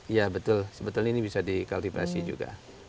iya betul sebetulnya ini bisa dikalifikasi juga